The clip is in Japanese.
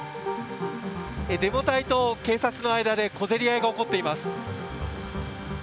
デモ隊と警察の間で小競り合いが起こっています。